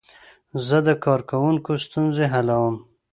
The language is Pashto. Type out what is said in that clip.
زه د کاروونکو ستونزې حلوم.